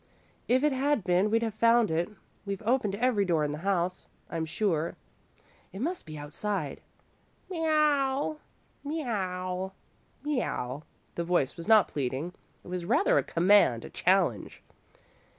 "If it had been, we'd have found it. We've opened every door in the house, I'm sure. It must be outside." "Me ow! Me ow! Me ow!" The voice was not pleading; it was rather a command, a challenge.